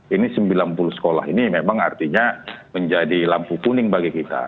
ini sembilan puluh sekolah ini memang artinya menjadi lampu kuning bagi kita